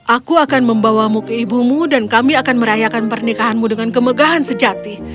aku akan membawamu ke ibumu dan kami akan merayakan pernikahanmu dengan kemegahan sejati